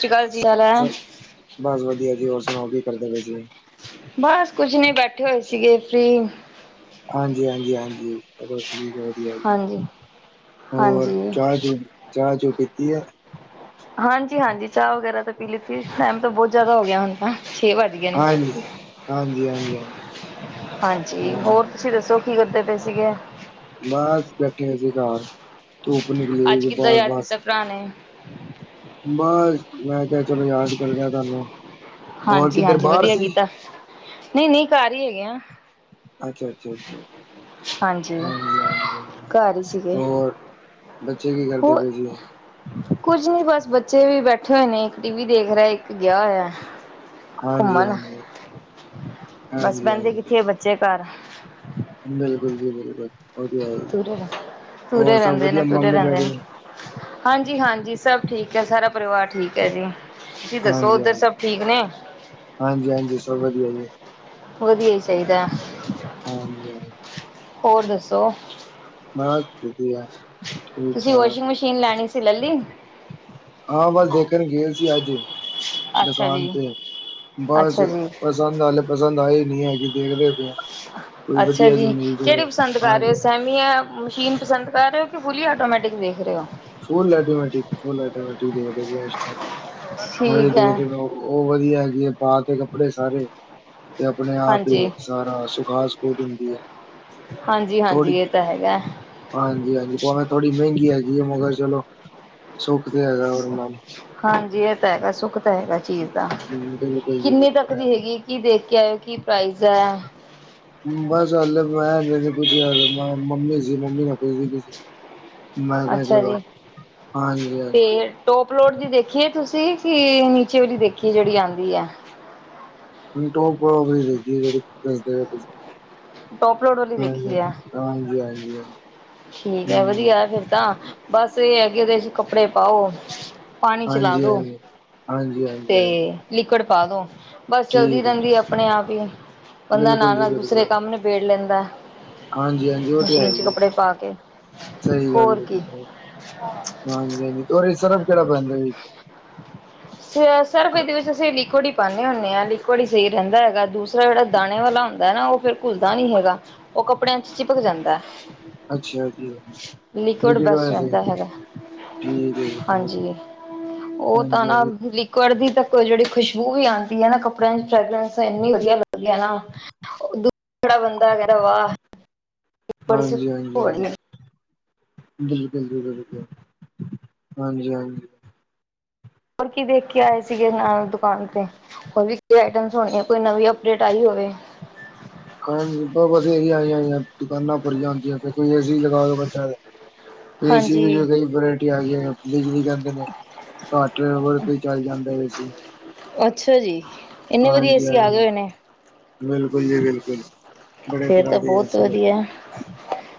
ਸਤਿ ਸ਼੍ਰੀ ਅਕਾਲ ਜੀ ਹਾਲ ਹੈ ਸ ਬਸ ਵਧੀਆ ਜੀ, ਹੋਰ ਸੁਣਾਓ ਕੀ ਕਰਦੇ ਪਏ ਸੀ? ਬਾਸ ਕੁਝ ਨਈ, ਬੈਠੇ ਹੋਏ ਸੀਗੇ ਫਰੀ। ਹਾਂਜੀ-ਹਾਂਜੀ-ਹਾਂਜੀ ਚਲੋ ਠੀਕ ਏ ਵਧੀਆ ਜੀ। ਹਾਂਜੀ ਹੋਰ ਹਾਂਜੀ। ਚਾਹ ਚੂ ਚਾਹ ਚੂ ਪੀਤੀ ਐ? ਹਾਂਜੀ-ਹਾਂਜੀ ਚਾਹ ਵਗੈਰਾ ਤੇ ਪੀ ਲਿੱਤੀ, ਟਾਈਮ ਤਾਂ ਬੋਹਤ ਜਾਏਦਾ ਹੋ ਗੇਆ ਹੁਣ ਤਾਂ। ਛੇ ਵਾਜ ਗਏ ਨੇ। ਹਾਂਜੀ, ਹਾਂਜੀ, ਹਾਂਜੀ, ਹਾਂਜੀ, ਹਾਂਜੀ ਹੋਰ ਤੁਸੀਂ ਦੱਸੋ ਕੀ ਕਰਦੇ ਪਏ ਸੀਗੇ? ਬਾਸ ਬੈਠੇ ਹੋਏ ਸੀ ਕਾਰ, ਧੁੱਪ ਨਿਕਲੀ ਹੋਏਗੀ ਬਾਹਰ ਬਸ। ਪੁਰਾਣੇ। ਬਾਸ ਮੈਂ ਕੇਆ ਚਲੋ ਯਾਦ ਕਰਨੇ ਆਂ ਤੁਹਾਨੂੰ। ਹੋਰ ਕਿੱਧਰ ਹਾਂਜੀ-ਹਾਂਜੀ ਬਾਹਰ ਵਧੀਆ ਸੀ? ਕੀਤਾ, ਨਈ-ਨਈ ਕਾਰ ਈ ਹੈਗੇ ਆ। ਅੱਛਾ-ਅੱਛਾ-ਅੱਛਾ, ਹਾਂਜੀ ਹਾਂਜੀ-ਹਾਂਜੀ-ਹਾਂਜੀ। ਘਰ ਹੀ ਸੀਗੇ ਹੋਰ ਬੱਚੇ ਕੀ ਕਰਦੇ ਪਏ ਸੀ? ਕੁਝ ਨੀ ਬਸ ਬੱਚੇ ਵੀ ਬੈਠੇ ਹੋਏ ਨੇ, ਏਕ ਟੀ ਵੀ ਦੇਖ ਰਾ, ਇੱਕ ਗੇਆ ਹੋਏਆ। ਹਾਂਜੀ-ਹਾਂਜੀ, ਬਸ ਬਹਿੰਦੇ ਹਾਂਜੀ-ਹਾਂਜੀ। ਕਿੱਥੇ ਬੱਚੇ ਘਰ ਬਿਲਕੁਲ ਜੀ ਬਿਲਕੁਲ। ਵਧੀਆ ਹੈ ਜੀ। ਤੁਰ ਵਾ, ਹੋਰ ਤੁਰੇ ਸਭ ਰੇਹੰਦੇ ਨੇ, ਵਧੀਆ ਤੁਰੇ ਮੰਮੀ ਰੇਹੰਦੇ ਨੇ। ਡੈਡੀ ਹਾਂਜੀ-ਹਾਂਜੀ ਸਭ ਠੀਕ ਏ, ਸਾਰਾ ਪਰਿਵਾਰ ਠੀਕ ਹੈ ਜੀ। ਤੁਸੀਂ ਦੱਸੋ ਓਧਰ ਹਾਂਜੀ-ਹਾਂਜੀ, ਸਬ ਠੀਕ ਨੇ? ਹਾਂਜੀ-ਹਾਂਜੀ ਸਭ ਵਧੀਆ ਜੀ, ਵਧੀਆ ਈ ਚਾਈਦਾ। ਹਾਂਜੀ ਹਾਂ। ਔਰ ਦੱਸੋ? ਬਾਸ ਵਧੀਆ ਠੀਕ ਤੁਸੀਂ ਠਾਕ। ਵਾਸ਼ਿੰਗ ਮਸ਼ੀਨ ਲੈਣੀ ਸੀ ਲੈ ਲਈ ਹਾਂ ਬਸ ਦੇਖਣ ਗਏ ਸੀ ਅੱਜ। ਅੱਛਾ ਦਕਾਨ ਜੀ ਤੇ ਬਾਸ ਅੱਛਾ ਬਸ ਜੀ ਪਸੰਦ ਨਾਲੇ ਪਸੰਦ ਆਏ ਨੀ ਹੈਗੇ, ਦੇਖਦੇ ਪਏ ਆਂ। ਅੱਛਾ ਜੀ, ਕੇਅੜੀ ਪਸੰਦ ਕਰ ਰਏ ਔ ਹਾਂਜੀ। ਸੈ ਨੀ ਏਹ ਮਸ਼ੀਨ ਪਸੰਦ ਕਰ ਰਏ ਔ ਕਿ ਫੁਲੀ ਆਟੋਮੈਟਿਕ ਵੇ ਫੁਲਐਟੋਮੈਟਿਕ ਫੁਲਐਟੋਮੈਟਿਕ ਦੇਖਦੇ ਬਏ ਆ ਇਸ ਟੈਮ ਠੀਕ ਹੈ [unintelligible] ਉਹ ਵਧੀਆ ਹੈਗੀ ਏ, ਪਾ ਕੇ ਕੱਪੜੇ ਸਾਰੇ ਤੇ ਆਪਣੇ ਆਪ ਹੀ ਹਾਂਜੀ ਸਾਰਾ ਸੁਖਾ ਸਖੁ ਦਿੰਦੀ ਏ। ਹਾਂਜੀ-ਹਾਂਜੀ ਏਹ ਤਾਂ ਹੈਗਾ ਏ। ਹਾਂਜੀ- ਹਾਂਜੀ ਭਾਵੇਂ ਥੋੜ੍ਹੀ ਮਹਿੰਗੀ ਹੈਗੀ ਹੈ ਮਗਰ ਚਲੋ ਸੁੱਖ ਤੇ ਹੈਗਾ ਔਰ ਮਨ ਹਾਂਜੀ, ਇਹ ਤੇ ਹੈਗਾ ਸੁੱਖ ਤੇ ਹੈਗਾ ਚੀਜ਼ ਦਾ। ਬਿਲਕੁਲ ਜੀ ਕਿੰਨਨੀ ਤੱਕ ਬਿਲਕੁਲ ਦੀ ਹੈਗੀ, ਕੀ ਦੇਖ ਕੇ ਆਇ, ਕੀ ਪ੍ਰਾਈਜ਼ ਹੈ। ਬਸ ਹੱਲ ਮੈਂ ਨੀ ਪੁਛਯਾ ਮ ਮੰਮੀ ਸੀ, ਮੰਮੀ ਨਾ ਪੁੱਛਦੀ। ਮੈਂ ਕਿਹਾ ਅੱਛਾ ਚਲੋ ਹਾਂਜੀ- ਹਾਂਜੀ। ਟੋਪਲੋਟ ਦੀ ਦੇਖੀ ਏ ਤੁਸੀਂ ਕਿ ਨੀਚੇ ਵਾਲੀ ਦੇਖੀ ਏ ਜਿਹੜੀ ਆਂਦੀ ਐ। ਟੋਕੀਓ ਵਾਲੀ ਦੇਖੀ ਐ ਜਿਹੜੀ ਦਸਦੇ ਤੁਸੀਂ। ਟੋਪਫੋਰ ਵਾਲੀ ਹਾਂਜੀ ਦੇਖੀ ਆ। ਹਾਂਜੀ ਹਾਂਜੀ ਹਾਂਜੀ ਠੀਕ ਆ ਹਮ ਵਦੀਆ ਫੇਰ ਤਾਂ। ਬਸ ਇਹ ਹੈ ਕਿ ਉਹਦੇ ਚੇ ਕੱਪੜੇ ਪਾਓ। ਪਾਣੀ ਚਲਾ ਹਾਂਜੀ ਦੋ। ਹਾਂਜੀ ਹਾਂਜੀ ਹਾਂਜੀ ਤੇ ਹਾਂਜੀ ਲਿਕੁਡ ਪਾ ਦੋ, ਬਸ ਚਲਦੀ ਠੀਕ ਹੈ ਰਹਿੰਦੀ ਆਪਣੇ ਆਪ ਹੀ, ਬੰਦਾ ਬਿਲਕੁਲ ਨਾਲ- ਜੀ ਨਾਲ ਦੂਸਰੇ ਬਿਲਕੁਲ ਕੰਮ ਨਬੇੜ ਲੈਂਦਾ। ਹਾਂਜੀ ਹਾਂਜੀ ਉਹ ਤੇ ਹੈ ਮਸ਼ੀਨ ਚ' ਹੀ ਹੈ ਕੱਪੜੇ ਪਾ ਕੇ। ਸਹੀ ਗੱਲ ਹੋਰ ਹੈ ਜੀ ਕੀ ਸਹੀ ਹਾਂਜੀ- ਹਾਂਜੀ ਇਹ ਸਰਫ ਕਿਹੜਾ ਪੈਂਦਾ। ਸਰਫ ਇਹਦੇ ਵਿੱਚ ਸਹੇਲੀ, ਕੁੜੀ ਪਾਉਂਦੇ ਹੁੰਦੇ ਹਾਂ ਲਿਕੁਡ ਹੀ ਸਹੀ ਰਹਿੰਦਾ ਹੈਗਾ ਦੂਸਰਾ ਜਿਹੜਾ ਦਾਣੇ ਵਾਲਾ ਹੁੰਦਾ ਹੈ ਨਾ ਉਹ ਫਿਰ ਘੁੱਲਦਾ ਨੀ ਹੈਗਾ। ਉਹ ਕੱਪੜਿਆਂ ਚ' ਚਿਪਕ ਜਾਂਦਾ। ਅੱਛਾ ਜੀ। ਲ ਲਿਕੁਡ ਬੈਸਟ ਵੇ ਰਹਿੰਦਾ ਹੈਗਾ ਠੀਕ ਹਾਂਜੀ ਉਹ ਤਾਂ ਹਾਂਜੀ ਨਾ ਹਾਂਜੀ ਲੁਡ ਦੀ ਤ ਜਿਹੜੀ ਖੁਸ਼ਬੂ ਵੀ ਆਉਂਦੀ ਹੈ ਨਾ ਕੱਪੜਿਆਂ ਦੀ ਫਗਰਸ ਇਨੀ ਵਧੀਆ ਲੱਗਦੀ ਨਾ। ਦ ਖੜਾ ਬੰਦਾ ਕਹਿੰਦਾ ਵਾਹ! ਬੜੀ ਸੁ- ਹਾਂਜੀ- ਹਾਂਜੀ- ਬੜੀ ਹਾਂਜੀ। ਹੈ। ਬਿਲਕੁਲ- ਜਿਲ- ਬਿਲਕੁਲ, ਹਾਂਜੀ -ਹਾਂਜੀ। ਹੋਰ ਕੀ ਦੇਖ ਕੇ ਆਏ ਸੀਗੇ ਨਾਲ ਦੁਕਾਨ ਤੇ। ਹੋਰ ਵੀ ਆਈਟਮ ਹੋਣੀ ਕੋਈ ਨਵੀਂ ਅਪਡੇਟ ਆਈ ਹੋਵੇ। ਬਸ ਰੀਆਂ ਆਈ ਆਈਆਂ ਦੁਕਾਨਾਂ ਭਰੀਆਂ ਹੁੰਦੀਆਂ ਕੋਈ ਏਸੀ ਲਗਾ ਕੇ ਬੈਠਾ ਤੇ ਏਸੀ ਹਾਂਜੀ ਕਈ ਵਰਾਇਟੀ ਆ ਗਈ ਬਿਜਲੀ ਕਦੇ ਨੇ ਘਟ ਟਵਰ ਤੇ ਚੱਲ ਜਾਂਦਾ ਹੈ ਸੀ। ਅੱਛਾ ਜੀ। ਇੰਨੇ ਵਧੀਆ ਹਾਂਜੀ ਏਸੀ ਆ ਗਏ -ਹਾਂਜੀ। ਹੋਏ ਨੇ ਬਿਲਕੁਲ ਜੀ, ਬਿਲਕੁਲ। ਬੜੇ ਫੇਰ ਤਰ੍ਹਾਂ ਤਾਂ ਦੀ ਏ ਬਹੁਤ ਸੀ ਲਗੇ ਏ। ਵਧੀਆ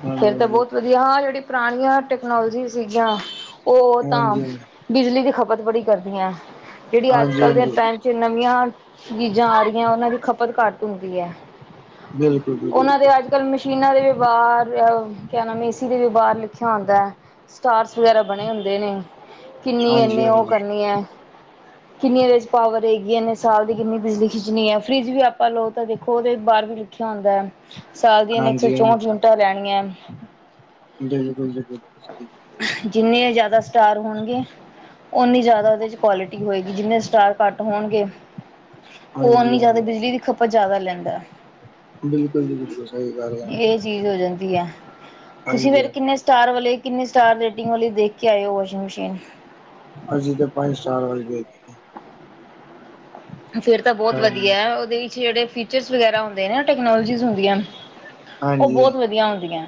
ਹਾਂਜੀ- ਹਾਂਜੀ। ਦੀ ਹਾਂ ਜਿਹੜੀ ਪੁਰਾਣੀਆਂ ਟੈਕਨੋਲੋਜੀ ਸੀਗੀਆਂ। ਉਹ ਤਾਂ ਹਾਂਜੀ ਹਾਂਜੀ ਬਿਜਲੀ ਦੀ ਖਪਤ ਬੜੀ ਕਰਦੀਆਂ ਹੈ। ਜਿਹੜੀ ਅੱਜ ਹਾਂਜੀ ਕੱਲ੍ਹ ਦੇ ਹਾਂਜੀ ਟ ਜੇ ਨਵੀਆਂ ਚੀਜ਼ਾਂ ਆ ਰਹੀਆਂ ਉਹਨਾਂ ਦੀ ਖਪਤ ਘੱਟ ਹੁੰਦੀ ਹੈ। ਬਿਲਕੁਲ ਜੀ ਉਹਨਾਂ ਦੇ ਬਿਲਕੁਲ ਅੱਜ ਅ ਕੱਲ ਮਸ਼ੀਨਾਂ ਦੇ ਵਿਵਹਾਰ ਕਿਆ ਨਾਮ ਏਸੀ ਦੇ ਵਿਵਹਾਰ ਲਿਖਿਆ ਹੁੰਦਾ ਹੈ। ਸਟਾਰ ਵਗੈਰਾ ਬਣੇ ਹੁੰਦੇ ਨੇ। ਕਿੰਨੀ- ਹਾਂਜੀ ਇਨੇ ਉਹ ਹਾਂਜੀ ਕਰਨੀ ਹੈ। ਕਿੰਨੀਆਂ ਇਹਦੇ ਵਿੱਚ ਪਾਵਰ ਰਗੀ ਇਨੇ ਸਾਲ ਦੀ ਕਿੰਨੀ ਬਿਜਲੀ ਖਿੱਚਣੀ ਹੈ ਫਰਿੱਜ ਵੀ ਆਪਾਂ ਲਓ ਤਾਂ ਦੇਖੋ ਉਹਦੇ ਬਾਹਰ ਵੀ ਲਿਖਿਆ ਹੁੰਦਾ ਹੈ। ਸਾਲ ਦੀਆਂ ਨੇ ਇੱਕ ਸੌ ਹਾਂਜੀ ਹਾਂਜੀ ਚੌਂਹਠ ਯੂਨਟਾਂ ਲੈਣੀਆਂ। ਬਿਲਕੁਲ ਜੀ ਬਿਲਕੁਲ ਸਹੀ ਗੱਲ ਜਿੰਨੇ ਜ਼ਿਆਦਾ ਸਟਾਰ ਹੋਣਗੇ। ਉਓਨੀ ਜ਼ਿਆਦਾ ਉਹਦੇ ਚ' ਕੁਆਲਿਟੀ ਹੋਏਗੀ ਜਿੰਨੇ ਸਟਾਰ ਘੱਟ ਹੋਣਗੇ। ਉਹ ਹਾਂਜੀ ਹਾਂਜੀ ਉਨੀ ਜਿਆਦਾ ਬਿਜਲੀ ਦੀ ਹਾਂਜੀ ਖਪਤ ਜ਼ਿਆਦਾ ਲੈਂਦਾ। ਬਿਲਕੁਲ- ਬਿਲਕੁਲ। ਸਹੀ ਗੱਲ ਹੈ। ਇਹ ਚੀਜ਼ ਹੋ ਜਾਂਦੀ ਹੈ। ਤੁਸੀਂ ਹਾਂਜੀ ਫੇਰ ਹਾਂਜੀ ਕਿੰਨੇ ਸਟਾਰ ਵਾਲੇ ਕਿੰਨੀ ਸਟਾਰ ਰੇਟਿੰਗ ਵਾਲੀ ਦੇਖ ਕੇ ਆਏ ਉ ਵਾਸ਼ਿੰਗ ਮਸ਼ੀਨ। ਅਸੀ ਤੇ ਪਾੰਜ ਸਟਾਰ ਵਾਲੀ ਵੇਖ ਫੇਰ ਤਾਂ ਬੋਤ ਹਾਂਜੀ ਵਧੀਆ ਐ, ਉਦੇ ਵਿੱਚ ਜੇੜੇ ਫੀਚਰਸ ਵਗੈਰਾ ਹੁੰਦੇ ਨੇ ਟਕਨੋਲਜੀ ਹੁੰਦੀਆਂ ਉ ਹਾਂਜੀ ਬੋਤ ਵਧੀਆ ਹੁੰਦੀਆਂ,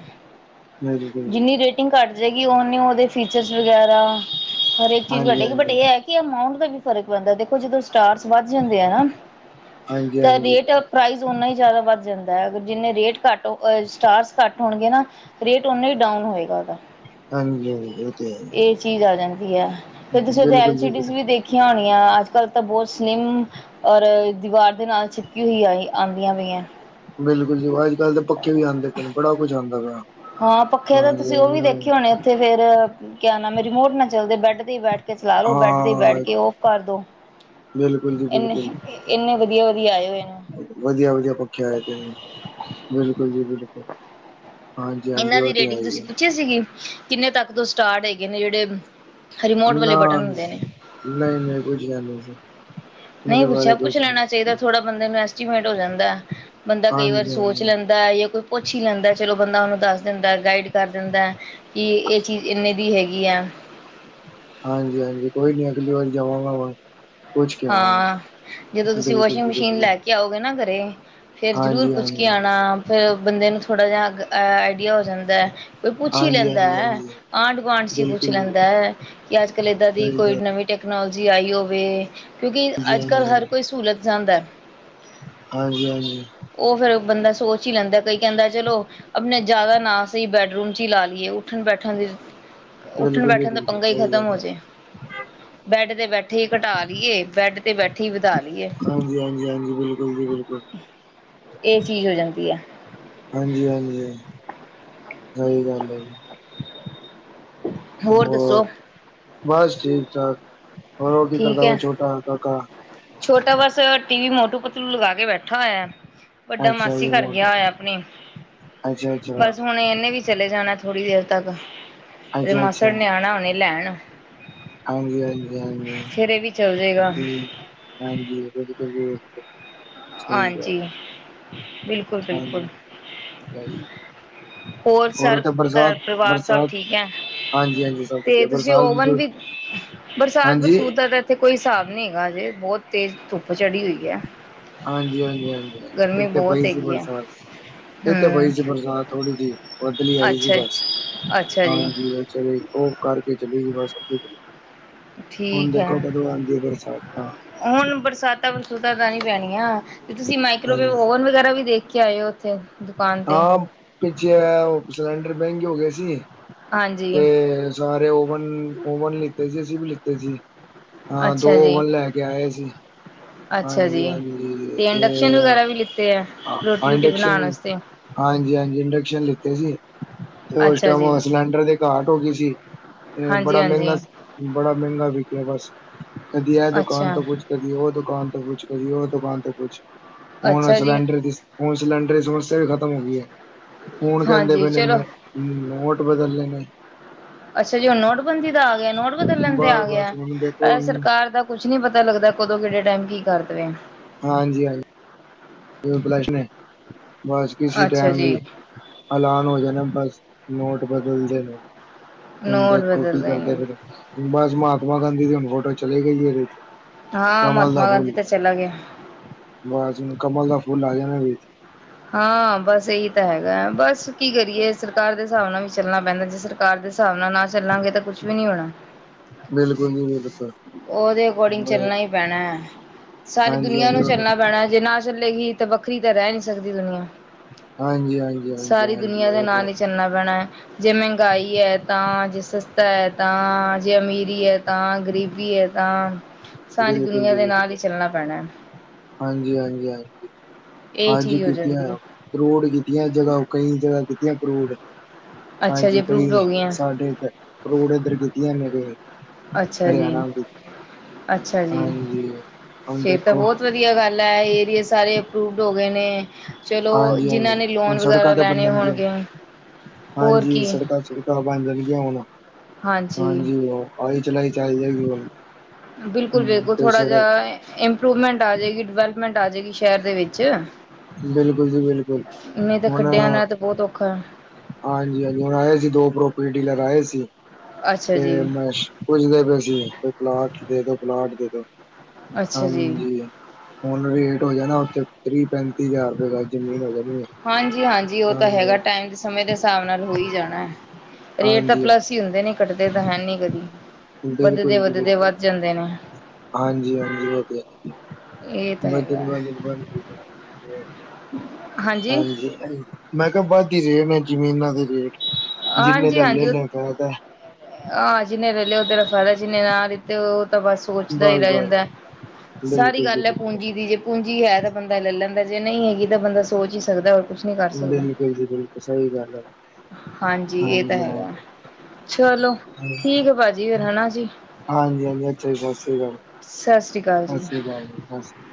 ਹਾਂਜੀ ਹਾਂਜੀ ਜਿੰਨੀ ਰੇਟ ਰੇਟਿੰਗ ਘਟ ਜਾਏਗੀ ਉਨੇ ਉਦੇ ਫੀਚਰਸ ਵਗੈਰਾ ਹਰੇਕ ਚੀਜ਼ ਹਾਂਜੀ ਹਾਂਜੀ ਘੱਟੇਗੀ ਬਟ ਏ ਹਾਂਜੀ ਐ ਅਮਾਊਂਟ ਦਾ ਵੀ ਫਰਕ ਪੈਂਦਾ ਦੇਖੋ ਜਦੋਂ ਸਟਾਰਸ ਵੱਧ ਜਾਂਦੇ ਆ ਨਾ ਹਾਂਜੀ ਤਾਂ ਰੇਟ ਪ੍ਰਾਈਜ਼ ਉਨਾ ਈ ਜਾਦਾ ਵੱਧ ਜਾਂਦੈ, ਅਗਰ ਜਿੰਨੇ ਰੇਟ ਘੱਟ ਸਟਾਰਸ ਘੱਟ ਹੋਨਗੇ ਨਾ ਰੇਟ ਓਨਾ ਈ ਡਾਊਨ ਹੋਏਗਾ ਉਦਾ। ਹਾਂਜੀ ਹਾਂਜੀ ਉ ਤੇ ਹੈ ਈ ਏ। ਏ ਚੀਜ਼ ਆ ਜਾਂਦੀ ਏ। ਫੇਰ ਤੁਸੀਂ ਉੱਥੇ ਐਲ ਜੀ ਸੀਜ਼ ਬਿਲਕੁਲ ਵੀ ਦੇਖੀਆਂ ਹੋਨੀਆਂ ਅੱਜ ਕੱਲ੍ਹ ਤਾਂ ਬਹੁਤ ਸਿਲਿਮ ਔਰ ਦੀਵਾਰ ਦੇ ਨਾਲ ਚਿਪਕੀ ਹੋਈ ਆਈ ਆਦੀਆਂ ਪਈਐਂ। ਬਿਲਕੁਲ ਜੀ ਅੱਜ ਕੱਲ੍ਹ ਤਾਂ ਪੱਖੇ ਵੀ ਆਦੇ ਪਏ ਨੇ ਬੜਾ ਕੁੱਝ ਆਦਾ ਪਿਆ। ਹਾਂ ਪੱਖੇ ਦਾ ਜੀ, ਤੁਸੀਂ ੳ ਵੀ ਇਹਨਾਂ ਦੇਖੇ ਨੂੰ- ਹੋਨੇ ਉੱਥੇ ਫੇਰ ਕਿਆ ਨਾਮ ਏ ਰਿਮੋਟ ਨਾ ਚੱਲਦੇ, ਬੈਡ ਤੇ ਹੀ ਬੈਠ ਕੇ ਚਲਾ ਲੋ ਬੈਡ ਤੇ ਬੈਠ ਹਾਂ ਕੇ ਔਫ ਕਰ ਦੋ। ਬਿਲਕੁਲ ਜੀ ਬਿਲਕੁਲ। ਇੰਨੇ ਵਧੀਆ ਵਧੀਆ ਆਏ ਹੋਏ ਨੇ। ਵਧੀਆ ਵਧੀਆ ਪੱਖੇ ਆਏ ਦੇ ਨੇ ਬਿਲਕੁਲ ਜੀ ਬਿਲਕੁਲ। ਹਾਂਜੀ-ਹਾਂਜੀ ਇਹਨਾਂ ਦੀ ਉਹ ਤੇ ਹੈ ਰੇਟਿੰਗ ਈ ਏ। ਤੁਸੀਂ ਪੁੱਛੀ ਸੀਗੀ ਕਿੰਨੇ ਤੱਕ ਤੋਂ ਸਟਾਰਟ ਹੈਗੇ ਨੇ ਜੇੜੇ ਰਿਮੋਟ ਵਾਲੇ ਬਟਨ ਹੁੰਦੇ ਨੇ। ਨਈ-ਨਈ ਪੁਛੇਆ ਨਈ ਸੀ। ਨਈ ਪੁੱਛਿਆ, ਪੁੱਛ ਲੈਨਾ ਚਾਈਦੈ ਥੋੜਾ ਬੰਦੇ ਨੂੰ ਐਸਟੀਮੇਟ ਹੋ ਜਾਂਦੈ ਬੰਦਾ ਕਈ ਵਾਰ ਹਾਂਜੀ ਸੋਚ ਹਾਂਜੀ ਲੈਂਦਾ ਜਾਂ ਕੋਈ ਪੁੱਛ ਈ ਲੈਂਦਾ ਚਲੋ ਬੰਦਾ ਉਨੂੰ ਦੱਸ ਦਿੰਦੈ ਗਾਈਡ ਕਰ ਦਿੰਦੈ। ਕਿ ਏ ਚੀਜ਼ ਇਨੇ ਦੀ ਹੈਗੀ ਆ। ਹਾਂਜੀ-ਹਾਂਜੀ ਕੋਈ ਨੀ ਅਗਲੀ ਵਾਰੀ ਜਾਵਾਂਗਾ ਮੈ ਹਾਂ ਜਦੋਂ ਤੁਸੀਂ ਬਿਲਕੁਲ ਵਾਸ਼ਿੰਗ ਜੀ ਮਸ਼ੀਨ ਬਿਲਕੁਲ ਲੈ ਕੇ ਕੇ ਆਓਗੇ ਨਾ ਘਰੇ, ਫੇਰ ਜਰੂਰ ਹਾਂਜੀ ਪੁੱਛ ਕੇ ਹਾਂਜੀ ਆਨਾ ਫੇਰ ਬੰਦੇ ਨੂੰ ਥੋੜਾ ਜਿਹਾ ਵਧੀਆ ਹੋ ਜਾਂਦੈ, ਕੋਈ ਪੁੱਛ ਈ ਹਾਂਜੀ, ਲੈਂਦੈ, ਹਾਂਜੀ, ਹਾਂਜੀ ਆਂਢ ਗੁਆਂਢ ਚ ਪੁੱਛ ਬਿਲਕੁਲ ਲੈਂਦਾ ਏ। ਕਿ ਅੱਜ ਕੱਲ੍ਹ ਏਦਾਂ ਦੀ ਸਹੀ ਕੋਈ ਗੱਲ ਨਵੀਂ ਟੈਕਨੋਲਜੀ ਆਈ ਹੋਵੇ ਕਿਉਂਕਿ ਹਾਂਜੀ, ਅੱਜ ਹਾਂਜੀ, ਕੱਲ੍ਹ ਹਰ ਹਾਂਜੀ। ਕੋਈ ਸੂਲਤ ਚਾਂਦੈ। ਹਾਂਜੀ ਹਾਂਜੀ ਉ ਫੇਰ ਬੰਦਾ ਸੋਚ ਈ ਲੈਂਦਾ ਕਈ ਕੈਂਦੈ ਚਲੋ ਆਪਨੇ ਜਾਦਾ ਨਾ ਸਈ ਬੈਡਰੂਮ ਚ ਈ ਲਾ ਲਈਏ ਉੱਠਣ ਬੈਠਣ ਦੀ ਉੱਠਣ ਬਿਲਕੁਲ ਜੀ ਬੈਠਣ ਦਾ ਬਿਲਕੁਲ ਪੰਗਾ ਈ ਸਹੀ ਖਤਮ ਗੱਲ ਹੈ। ਹੋਜੇ। ਬੈਡ ਤੇ ਬੈਠੇ ਘਟਾ ਲਈਏ ਬੈਡ ਤੇ ਬੈ ਵੀ ਵਧਾ ਲਈਏ ਹਾਂਜੀ ਹਾਂਜੀ ਹਾਂਜੀ ਬਿਲਕੁਲ ਜੀ ਬਿਲਕੁਲ। ਏ ਚੀਜ਼ ਹੋ ਜਾਂਦੀ ਏ। ਹਾਂਜੀ ਹਾਂਜੀ ਸਈ ਗੱਲ ਏ। ਹੋਰ ਬਸ ਠੀਕ-ਠਾਕ। ਹੋਰ ਉ ਕੀ ਠੀਕ ਕਰਦਾ ਵਾ ਹੈ ਛੋਟਾ ਕਾਕਾ।। ਛੋਟਾ ਬਸ ਟੀ ਵੀ ਮੋਟੂ ਪਤਲੂ ਲਗਾ ਕੇ ਬੈਠਾ ਹੋਇਆ। ਵੱਡਾ ਅੱਛਾ ਮਾਸੀ ਜੀ ਘਾਰ ਮੋਹਨ ਗਿਆ ਹੋਇਆ ਆਪਨੀ ਅੱਛਾ, ਅੱਛਾ, ਬਸ ਹਨ ਇਨੇ ਵੀ ਚਲੇ ਜਾਨਾ ਥੋੜ੍ਹੀ ਦੇਰ ਤੱਕ, ਏਦੇ ਅੱਛਾ, ਮਾਸੜ ਅੱਛਾ। ਨੇ ਆਨਾ ਹੁਨੇ ਲੈਨ। ਹਾਂਜੀ ਹਾਂਜੀ ਹਾਂਜੀ ਫੇਰ ਏ ਵੀ ਚੱਲ ਜੇਗਾ। ਠੀਕ ਹਾਂਜੀ ਬਿਲਕੁਲ ਜੀ ਬਿਲਕੁ ਹਾਂਜੀ, ਬਿਲਕੁ ਹਾਂਜੀ [unintelligible] ਹੋਰ ਸਰ ਉਥੇ ਘਰ ਬਰਸਾਤ ਪਰਿਵਾਰ ਸਬ ਬਰਸਾਤ ਠੀਕ ਐ? ਹਾਂਜੀ, ਹਾਂਜੀ ਸਭ ਤੇ ਵਧੀਆ ਤੁਸੀਂ ਬਰਸਾਤ ਓਵਨ ਵੀ, ਹਾਂਜੀ। ਬਰਸਾਤ-ਬਰਸੂਤ ਦਾ ਤੇ ਤੇ ਕੋਈ ਹਿਸਾਬ ਨੀ ਹੈਗਾ ਹਜੇ ਬੋਹਤ ਤੇਜ਼ ਧੁੱਪ ਚੜੀ ਹੋਈ ਐ। ਹਾਂਜੀ-ਹਾਂਜੀ-ਹਾਂਜੀ, ਇੱਥੇ ਪਈ ਸੀ ਹੈਗੀ ਹੈ ਬਰਸਾਤ। ਇਥੇ ਪਈ ਹਮ ਸੀ ਬਰਸਾਤ ਥੋੜੀ ਜੀ ਬੱਦਲੀ ਆਈ ਸੀ ਅੱਛਾ ਬਸ, ਅੱਛਾ ਜੀ ਹਾਂਜੀ ਅ ਚਲੀ ਗਈ ਓ ਕਰਕੇ ਚਲੀ ਗਈ ਬਸ [unintelligible] ਹੁਣ ਠੀਕ ਦੇਖੋ ਹੈ ਕਦੋਂ ਆਂਦੀ ਐ ਬਰਸਾਤਾਂ। ਹੁਣ ਬਰਸਾਤਾਂ-ਬਰਸੂਤਾਂ ਤਾਂ ਨੀ ਪੈਨੀਆਂ ਤੇ ਤੁਸੀਂ ਮਾਈਕਰੋਵੇਵ ਹਾਂਜੀ ਓਵਨ ਵਗੈਰਾ ਵੀ ਦੇਖ ਕੇ ਆਏ ਓ। ਤੇ ਹਾਂ, ਪਿੱਛੇ ਐ ਓ ਸਿਲੰਡਰ ਮੈਂਗੇ ਹੋ ਗਏ ਸੀ, ਹਾਂਜੀ ਤੇ ਸਾਰੇ ਓਵਨ, ਓਵਨ ਲਿੱਤੇ ਸੀ ਅਸੀਂ ਵੀ ਲਿੱਤੇ ਸੀ। ਹਾਂ ਦੋ ਅੱਛਾ ਜੀ ਓਵਨ ਲੈ ਕੇ ਆਏ ਸੀ। ਅੱਛਾ ਜੀ ਹਾਂਜੀ-ਹਾਂਜੀ, ਤੇ ਇੰਡਕਸ਼ਨ ਅ, ਵਗੈਰਾ ਵੀ ਲਿੱਤੇ ਆ ਰੋਟੀ ਅ ਰੂਟੀ ਬਣਾਉਣ ਇੰਡੈਕਸ਼ਨ। ਵਾਸਤੇ ਹਾਂਜੀ-ਹਾਂਜੀ, ਇੰਡੈਕਸ਼ਨ ਲਿੱਤੇ ਸੀ ਤੇ ਓਸ ਅੱਛਾ ਜੀ ਟੈਮ ਸਿਲੰਡਰ ਦੀ ਘਾਟ ਹੋ ਗੀ ਸੀ। ਤੇ ਹਾਂਜੀ ਬੜਾ ਹਾਂਜੀ ਮੈਂਗਾ ਸੀ ਬੜਾ ਮੈਂਗਾ ਵਿਕਿਆ ਬਸ, ਕਦੀ ਐ ਦੁਕਾਨ ਅੱਛਾ ਤੋ ਕੁਛ ਕਦੀ ਓ ਦੁਕਾਨ ਤੋਂ ਕੁਛ ਕਦੀ ਓ ਦੁਕਾਨ ਤੋਂ ਕੁਛ। ਅੱਛਾ ਜੀ। ਹੁਨ ਸਿਲੰਡਰ ਦੀ ਸਮੱਸਿਆ ਈ ਖਤਮ ਹੋ ਗੀ ਐ। ਹੁਨ ਕੈਂਦੇ ਹਾਂਜੀ ਪਏ ਨੇ ਚਲੋ ਨੋ ਨੋਟ ਬਦਲਨੇ ਨੇ। ਅੱਛਾ ਜੀ ਹੁਨ ਨੋਟਬੰਦੀ ਦਾ ਆ ਗਿਆ, ਨੋਟ ਬਦਲਣ ਤੇ ਬਸ ਆ ਗਿਆ, ਬਸ ਹੁਣ ਦੇਖੋ ਅ ਸਰਕਾਰ ਦਾ ਕੁੱਛ ਨੀ ਪਤਾ ਲੱਗਦਾ, ਕਦੋਂ ਕੇੜੇ ਟੈਮ ਕੀ ਕਰ ਦਵੇ। ਹਾਂਜੀ-ਹਾਂਜੀ, ਜਿਵੇਂ [unintelligible] ਨੇ ਬਸ ਕਿਸੀ ਅੱਛਾ ਟੈਮ ਵੀ। ਜੀ ਐਲਾਨ ਹੋ ਜਾਣਾ ਬਸ, ਨੋਟ ਬਦਲਦੇ ਨੇ। ਹੁਣ ਨੋਟ ਦੇਖੋ ਕੀ ਬਦਲਦੇ ਨੇ ਕਰਦੇ ਪਏ ਨੇ ਬਸ ਮਹਾਤਮਾ ਗਾਂਧੀ ਦੀ ਹੁਣ ਫੋਟੋ ਚਲੀ ਗਈ ਏਦੇ ਚ। ਹਾਂ ਕਮਲ ਦਾ ਮਹਾਤਮਾ ਗਾਂਧੀ ਫੁੱਲ ਤੇ ਚਲਾ ਗਿਆ। ਬਸ ਜੀ ਹੁਨ ਕਮਲ ਦਾ ਫੁੱਲ ਆ ਜਾਣਾ ਏਦੇ ਚ। ਹਾਂ ਬਸ ਏਹੀ ਤਾਂ ਹੈਗਾ ਐ ਬਸ ਕੀ ਕਰੀਏ ਸਰਕਾਰ ਦੇ ਸਾਬ ਨਾਲ ਵੀ ਚੱਲਣਾ ਪੈਂਦਾ ਜੇ ਸਰਕਾਰ ਦੇ ਸਾਬ ਨਾਲ ਨਾ ਚੱਲਾਂਗੇ ਤਾਂ ਕੁਛ ਵੀ ਨੀ ਹੋਣਾ। ਬਿਲਕੁਲ ਜੀ ਬਿਲਕੁਲ। ਓਦੇ ਅਕੋਰਡਿੰਗ ਬ- ਚੱਲਣਾ ਈ ਪੈਣਾ ਐ, ਸਾਰੀ ਹਾਂਜੀ ਦੁਨੀਆਂ ਹਾਂਜੀ ਨੂੰ ਉਹ- ਚੱਲਣਾ ਪੈਣਾ ਜੇ ਨਾ ਚੱਲੇਗੀ ਤਾਂ ਵੱਖਰੀ ਤਾਂ ਰੈ ਨੀ ਸਕਦੀ ਦੁਨੀਆਂ। ਹਾਂਜੀ ਹਾਂਜੀ ਹਾਂਜੀ ਸਾਰੀ ਹਾਂਜੀ ਦੁਨੀਆਂ ਦੇ ਉਹ ਤਾਂ ਨਾਲ ਈ ਚੱਲਣਾ ਪੈਣਾ ਐ। ਜੇ ਮੈਂਗਾਈ ਐ ਤਾਂ, ਜੇ ਸਸਤਾ ਐ ਤਾਂ, ਜੇ ਅਮੀਰੀ ਐ ਤਾਂ, ਗਰੀ ਬੀ ਐ ਤਾਂ, ਸਾਰੀ ਬਿਲਕੁਲ ਦੁਨੀਆਂ ਦੇ ਨਾਲ ਈ ਚੱਲਨਾ ਪੈਣਾ ਐ। ਹਾਂਜੀ-ਹਾਂਜੀ-ਹਾਂ ਇਹ ਹਾਂਜੀ ਚੀਜ਼ ਹੋ ਕੀਤੀਆਂ ਜਾਂਦੀ ਏਆ, ਹੈ ਕਰੋੜ ਕੀਤੀਆਂ ਜਗਾ, ਕਈ ਜਗਾ ਕੀਤੀਆਂ ਕਰੋੜ। ਅੱਛਾ ਜੀ ਹਾਂਜੀ ਅਪਰੂਵਡ ਕਈ ਹੋ ਗਈਆਂ ਸਾਡੇ ਏਦ ਕਰੋੜ ਏਦਰ ਕੀਤੀਆਂ ਨੇ ਕਈ। ਅੱਛਾ ਜੀ, ਹਰਿਆਣਾ ਵਿੱਚ ਅੱਛਾ ਜੀ, ਹਾਂਜੀ ਹੁਣ ਫੇਰ ਤਾਂ ਦੇਖੋ ਬੋਤ ਵਦੀਆ ਗੱਲ ਐ ਏਰੀਏ ਸਾਰੇ ਅਪਰੂਵਡ ਹੋ ਗਏ ਨੇ। ਚਲੋ ਹਾਂਜੀ ਜਿਨਾਂ ਹਾਂਜੀ ਨੇ ਹੁਣ ਲੋਨ ਸੜਕਾਂ ਵਗੈਰਾ ਤੇ ਲੈਣੇ ਬਣਨਗੀਆਂ ਹੋਣਗੇ ਹੁਨ ਹਾਂਜੀ ਸੜਕਾ-ਸੁੜਕਾ ਬਣ ਜਾਣਗੀਆਂ ਹੁਨ, ਹਾਂਜੀ ਓ ਆਈ-ਚਲਾਈ ਚਲ ਜਾਏਗੀ ਹੁਨ। ਬਿਲਕੁਲ- ਬਿਲਕੁਲ, ਥੋੜ੍ਹਾ ਜਿਆ ਇੰਪਰੂਵਮੈਂਟ ਆ ਜੇਗੀ ਡਵੈਲਪਮੈਂਟ ਆ ਜੇਗੀ ਸ਼ੈਰ ਦੇ ਵਿੱਚ। ਬਿਲਕੁਲ ਜੀ ਬਿਲਕੁਲ ਨਈ ਤਾ ਖੱਡਿਆ ਹੁਣ ਨਾਲ ਤੇ ਬੌਤ ਔਖਾ। ਹਾਂਜੀ- ਹਾਂਜੀ ਹੁਣ ਆਏ ਸੀ ਦੋ ਪ੍ਰੋਪਰਟੀ ਡੀਲਰ ਆਏ ਸੀ ਅੱਛਾ ਤੇ ਜੀ ਮ ਪੁੱਸ਼ਦੇ ਪਏਸੀ ਕੋਈ ਪਲਾਟ ਦੇ ਦੋ ਪਲਾਟ ਦੇ ਦੋ ਅੱਛਾ ਜੀ ਹਾਂਜੀ। ਹੁਨ ਰੇਟ ਹੋ ਜਾਣਾ ਓਥੇ ਤ੍ਰਿ - ਪੈਂਤੀ ਹਜ਼ਾਰ ਰਪਏ ਗਜ। ਜ਼ਮੀਨ ਹੋ ਜਾਣੀ ਹੈ ਹਾਂਜੀ -ਹਾਂਜੀ ਓ ਤਾਂ ਹੈਗਾ ਟਾਈਮ ਸਮੇਂ ਦੇ ਸਾਬ ਨਾਲ ਹੋ ਈ ਜਾਣਾ ਐ ਰੇਟ ਤਾਂ ਹਾਂਜੀ ਪਲੱਸ ਹਾਂਜੀ ਈ ਹੁੰਦੇ ਨੇ। ਘੱਟਦੇ ਤਾਂ ਹੈਨੀ ਕਦੀ ਵੱਧਦੇ- ਬਿਲਕੁਲ ਜੀ ਵੱਧਦੇ ਬਿਲਕੁਲ ਵੱਧ ਜਾਂਦੇ ਨੇ। ਹਾਂਜੀ- ਹਾਂਜੀ ਓ ਤੇ ਹੈਈ ਐ ਇਹ ਤਾਂ ਵੱਧਦੇ ਹੈਗਾ ਵੱਧਦੇ ਵੱਧ ਈ ਜਾਂਦੇ ਰੇਟ। ਹਾਂਜੀ ਮੈਂ ਕਿਆ ਵੱਧ ਈ ਗਏ ਜ਼ਮੀਨਾਂ ਦੇ ਰੇਟ। ਜਿੰਨੇ ਹਾਂਜੀ ਲੱਲੇ -ਹਾਂਜੀ ਨੇ ਫਾਇਦਾ ਅ ਜਿਨੇ ਲੇ ਲੇ ਉਦਾ ਤੇ ਫੈਦਾ ਜਿਨੇ ਨਾ ਤੇ ਓ ਤਾਂ ਬਸ ਸੋਚਦਾ ਈ ਬਸ ਰੈ ਬਸ ਜਾਂਦਾ ਏ ਸਾਰੀ ਬਿਲਕੁਲ ਜੀ ਗੱਲ ਐ ਬਿਲਕੁਲ ਪੂੰਜੀ ਦੀ ਜੇ ਪੂੰਜੀ ਹੈ ਤੇ ਬੰਦਾ ਲੈ ਲੈਂਦਾ ਜੇ ਨਈ ਹੈਗੀ ਤਾਂ ਬੰਦਾ ਸੋਚ ਈ ਸਕਦੈ। ਬਿਲਕੁਲ ਜੀ ਬਿਲਕੁਲ ਸਈ ਗੱਲ ਐ। ਹਾਂਜੀ ਏ ਤਾ ਹੈਗਾ। ਚਲੋ ਹਾਂਜੀ ਠੀਕ ਐ ਭਾਜੀ ਫੇਰ ਹਨਾ ਜੀ। ਹਾਂਜੀ ਹਾਂਜੀ ਅੱਛਾ ਜੀ ਸਤਿ ਸ਼੍ਰੀ ਅਕਾਲ ਸਾਸਰੀ ਕਾਲ ਸਤਿ ਜੀ। ਸ਼੍ਰੀ ਅਕਾਲ ਜੀ ਸਤਿ ਸ਼੍ਰੀ